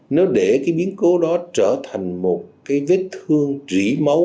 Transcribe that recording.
nếu để cái biến cố đó trở thành một cái vết thương rỉ máu